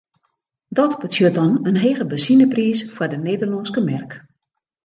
Dat betsjut dan in hege benzinepriis foar de Nederlânske merk.